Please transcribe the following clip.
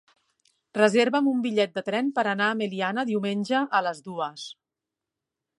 Reserva'm un bitllet de tren per anar a Meliana diumenge a les dues.